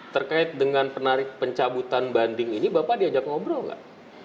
terkait dengan penarik pencabutan banding ini bapak diajak ngobrol nggak